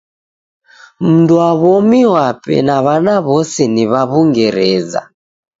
Mnduwaw'omi wape na w'ana w'ose ni w'a w'ungereza.